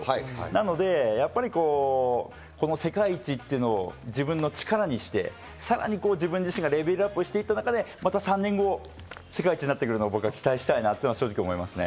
なので、この世界一というのを自分の力にして、さらに自分自身がレベルアップしていく中で、また３年後、世界一になってくれるのを僕、期待したいなと思いますね。